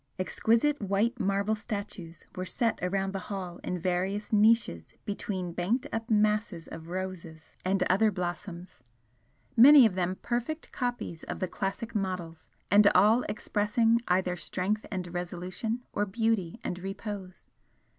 Exquisite white marble statues were set around the hall in various niches between banked up masses of roses and other blossoms many of them perfect copies of the classic models, and all expressing either strength and resolution, or beauty and repose.